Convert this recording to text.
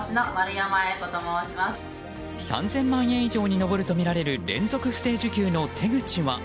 ３０００万円以上に上るとみられる連続不正受給の手口は。